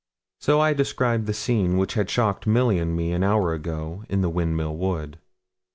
So I described the scene which had shocked Milly and me, an hour or so ago, in the Windmill Wood.